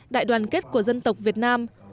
đại đoàn kết của dân tộc việt nam